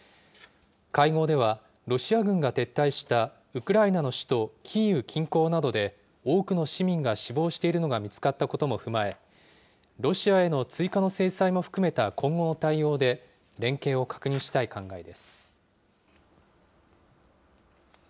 会合ではロシア軍が撤退したウクライナの首都キーウ近郊などで、多くの市民が死亡しているのが見つかったことも踏まえ、ロシアへの追加の制裁も含めた今後の対応で連携を確認したい考えです。